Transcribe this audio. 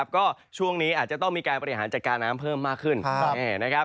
ก็ช่วงนี้อาจจะต้องมีการบริหารจัดการน้ำเพิ่มมากขึ้น